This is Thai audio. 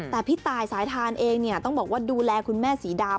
แต่พี่ตายสายทานเองเนี่ยต้องบอกว่าดูแลคุณแม่ศรีดา